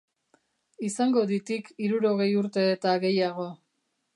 Izango ditik hirurogei urte eta gehiago.